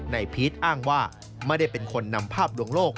พีชอ้างว่าไม่ได้เป็นคนนำภาพดวงโลก